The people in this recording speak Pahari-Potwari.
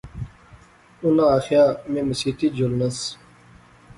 اُناں آخیا میں مسیتی اچ جلنس